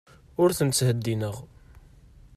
Ur ten-ttheddineɣ.